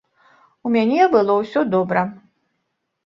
У мяне было ўсё добра.